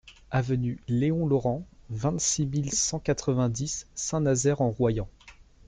Avenue Léon Laurent, vingt-six mille cent quatre-vingt-dix Saint-Nazaire-en-Royans